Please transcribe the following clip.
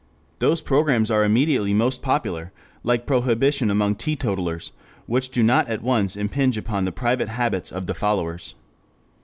Those programs are immediately most popular, like prohibition among teetotalers, which do not at once impinge upon the private habits of the followers.